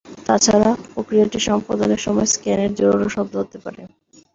তাছাড়া, প্রক্রিয়াটি সম্পাদনের সময় স্ক্যানের জোরালো শব্দ হতে পারে।